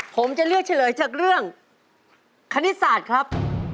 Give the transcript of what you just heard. ผมจะเลือกเฉลยจากเรื่องคณิตศาสตร์ครับ